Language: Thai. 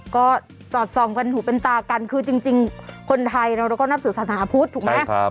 ก็สอดส่องกันหูเป็นตากันคือจริงคนไทยเราก็นับสื่อศาสนาพุทธถูกไหม